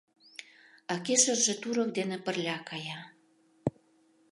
А кешырже турок дене пырля кая.